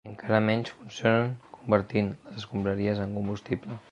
I encara menys funcionen convertint les escombraries en combustible.